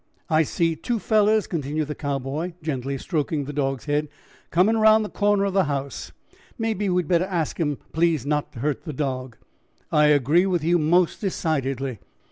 "I see two fellers," continued the Cowboy, gently stroking the dog's head, "comin' around the corner of the house; maybe we'd better ask 'um please not to hurt the dog." "I agree with you, most decidedly."